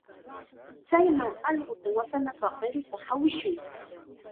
Chayman allquta watanapaq qiruta hawishun.